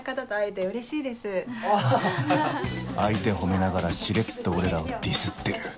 相手褒めながらしれっと俺らをディスってる